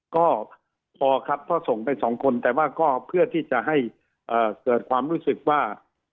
ก็พอครับเพราะส่งไปสองคนแต่ว่าก็เพื่อที่จะให้เกิดความรู้สึกว่า